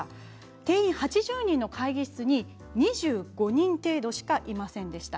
定員８０人の会議室に２５人程度しかいませんでした。